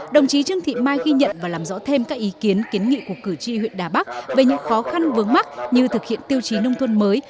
đồng chí trương thị mai ghi nhận và làm rõ thêm các ý kiến kiến nghị của cử tri huyện đà bắc về những khó khăn vướng mắt như thực hiện tiêu chí nông thôn mới